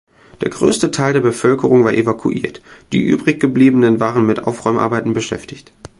Der größte Teil der Bevölkerung war evakuiert, die übriggebliebenen waren mit Aufräumarbeiten beschäftigt.